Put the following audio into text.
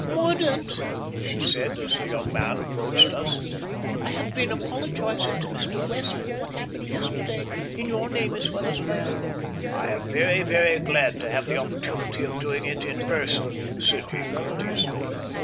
Mordaunt," she said, as the young man approached us, "I have been apologising to Mr. West for what happened yesterday, in your name as well as my own." "I am very, very glad to have the opportunity of doing it in person," said he courteously.